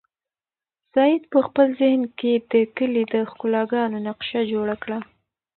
سعید په خپل ذهن کې د کلي د ښکلاګانو نقشه جوړه کړه.